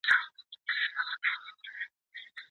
فوټوتراپي څه شي دی؟